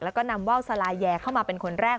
แล้วก็นำว่าวสลายแยเข้ามาเป็นคนแรก